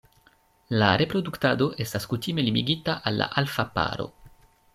La reproduktado estas kutime limigita al la alfa paro.